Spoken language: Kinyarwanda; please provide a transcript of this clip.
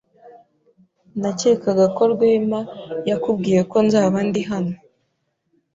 Nakekaga ko Rwema yakubwiye ko nzaba ndi hano.